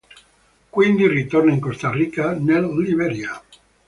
Quindi ritorna in Costa Rica nel Liberia.